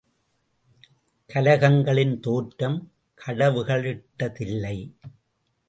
கலகங்களின் தோற்றம் கடவுள்களிட்டதில்லை.